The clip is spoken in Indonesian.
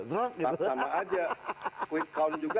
sama aja quick count juga